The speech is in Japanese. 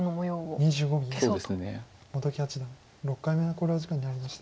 本木八段６回目の考慮時間に入りました。